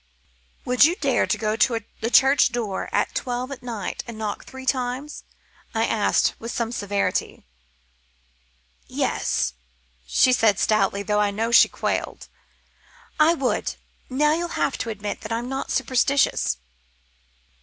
"Would you dare to go to the church door at twelve at night and knock three times?" I asked, with some severity. "Yes," she said stoutly, though I know she quailed, "I would. Now you'll admit that I'm not superstitious."